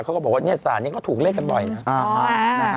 เขาก็บอกว่าสารนี้เขาถูกเลขกันบ่อยนะ